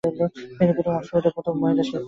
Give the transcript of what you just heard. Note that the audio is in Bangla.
তিনি প্রথম অক্সফোর্ড মহিলা শিক্ষার্থী।